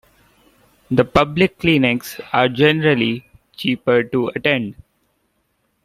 The public clinics are generally cheaper to attend.